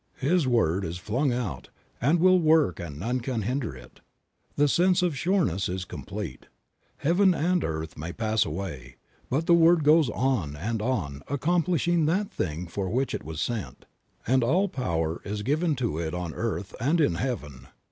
His word is flung out and will work and none can hinder it; the sense of sureness is complete. Heaven and earth may pass away, but the word goes on and on accomplishing that thing for which it was sent; and all power is given to it on earth and in heaven.